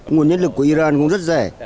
nguồn nhất lực của iran cũng rất rẻ